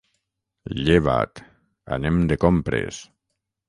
Lleva't, anem de compres.